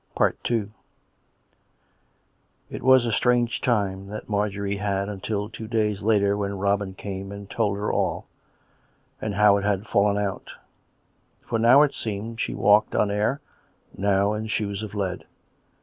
II It was a strange time that Marjorie had until two days later, when Robin came and told her all, and how it had fallen out. For now, it seemed, she walked on air; now in shoes of lead.